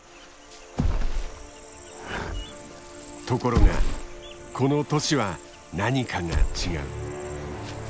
ところがこの年は何かが違う。